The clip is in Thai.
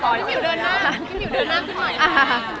ปลายเดินที่ก้าง